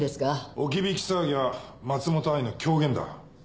置き引き騒ぎは松本藍の狂言だ。